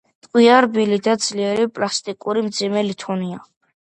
ტყვია რბილი და ძლიერ პლასტიკური მძიმე ლითონია.